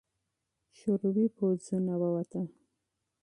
شوروي پوځونه ووته.